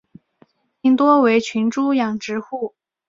现今多为群猪养殖户。